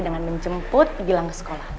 dengan menjemput hilang ke sekolah